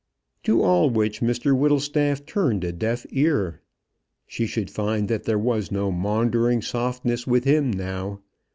To all which Mr Whittlestaff turned a deaf ear. She should find that there was no maundering softness with him now.